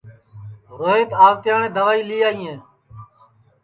روہیت آوتیاٹؔے دئوائی لی آئیئے